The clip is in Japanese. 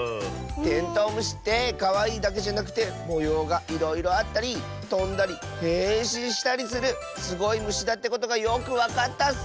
テントウムシってかわいいだけじゃなくてもようがいろいろあったりとんだりへんしんしたりするすごいむしだってことがよくわかったッス！